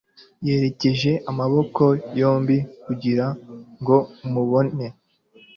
Yerekeje amaboko yombi kugira ngo amubone